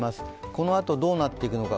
このあとどうなっていくのか。